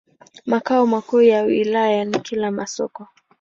Makao makuu ya wilaya ni Kilwa Masoko.